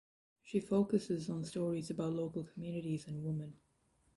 She focuses on stories about local communities and women.